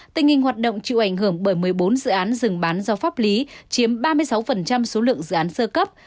tình hình hoạt động chịu ảnh hưởng bởi một mươi bốn dự án dừng bán do pháp lý chiếm ba mươi sáu số lượng dự án sơ cấp